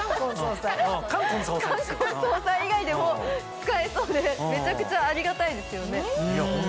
冠婚葬祭以外でも使えそうでめちゃくちゃありがたいですよね。